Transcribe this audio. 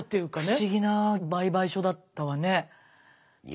不思議な売買所だったわね。